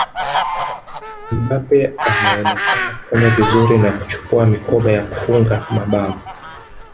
Ni Mbabe anayeonekana kufanya vizuri na kuchukua mikoba ya kufunga mabao